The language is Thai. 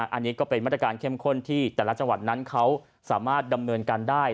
อันนี้ก็เป็นมาตรการเข้มข้นที่แต่ละจังหวัดนั้นเขาสามารถดำเนินการได้